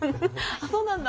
あそうなんだ。